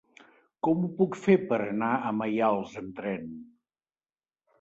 Com ho puc fer per anar a Maials amb tren?